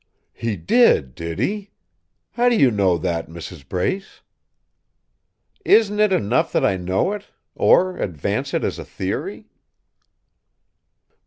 "He did, did he! How do you know that, Mrs. Brace?" "Isn't it enough that I know it or advance it as a theory?"